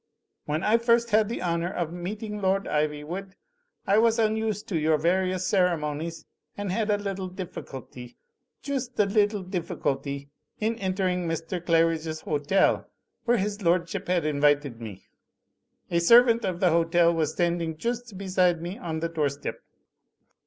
When I first had the honour of meeting Lord Iv3rwood, I was unused to your various ceremonies and had a little difficulty, joost a little difficulty, in entering Mr. Clar idge's hotel, where his lordship had invited me. A servant of the hotel was standing joost beside me on the doorstep.